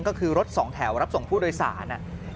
ก็คือรถสองแถวรับส่งผู้โดยสาร